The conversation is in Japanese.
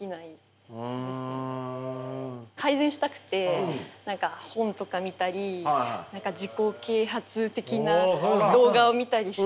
改善したくて何か本とか見たり自己啓発的な動画を見たりして。